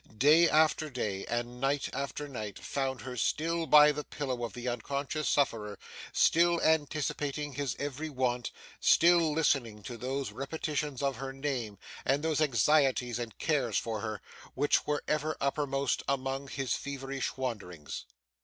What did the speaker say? Day after day, and night after night, found her still by the pillow of the unconscious sufferer, still anticipating his every want, still listening to those repetitions of her name and those anxieties and cares for her, which were ever uppermost among his feverish wanderings.